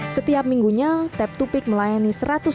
setiap minggunya tap dua pick melayani